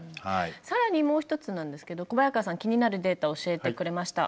更にもう一つなんですけど小早川さん気になるデータ教えてくれました。